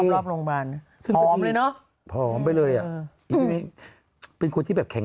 ทุกวันนี้หรือ